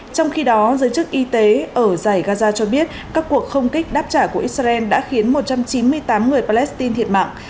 trong khi đó giới chức y tế ở giải gaza cho biết các cuộc không kích đáp trả của israel đã khiến một trăm chín mươi tám người palestine thiệt mạng